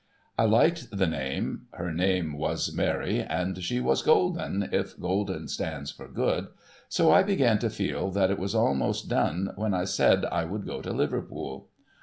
I liked the name (lier name was I^Iary, and she was golden, if golden stands for good), so I began to feel that it was almost done when I said I would go to Liverpool.